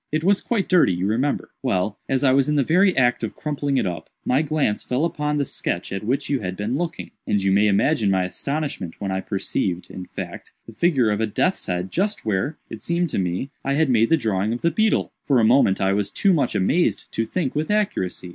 It was quite dirty, you remember. Well, as I was in the very act of crumpling it up, my glance fell upon the sketch at which you had been looking, and you may imagine my astonishment when I perceived, in fact, the figure of a death's head just where, it seemed to me, I had made the drawing of the beetle. For a moment I was too much amazed to think with accuracy.